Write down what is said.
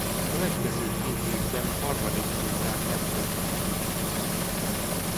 A következő két évben harmadikként zárták a versenyt.